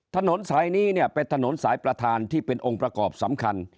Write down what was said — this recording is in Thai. ถนนสายนี้เนี่ยเป็นถนนสายประธานที่เป็นองค์ประกอบสำคัญ